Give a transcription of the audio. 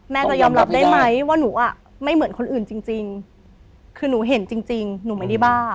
จะยอมรับได้ไหมว่าหนูอ่ะไม่เหมือนคนอื่นจริงคือหนูเห็นจริงหนูไม่ได้บ้า